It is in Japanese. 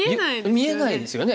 見えないですよね。